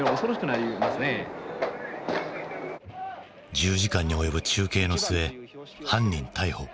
１０時間に及ぶ中継の末犯人逮捕。